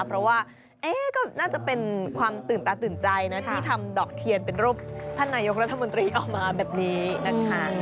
เพราะว่าก็น่าจะเป็นความตื่นตาตื่นใจนะที่ทำดอกเทียนเป็นรูปท่านนายกรัฐมนตรีเอามาแบบนี้นะคะ